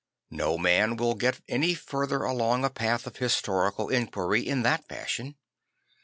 No man will get any further along a path of historical enquiry in that fashion.